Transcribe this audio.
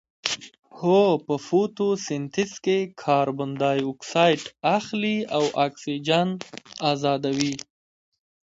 هو په فتوسنتیز کې کاربن ډای اکسایډ اخلي او اکسیجن ازادوي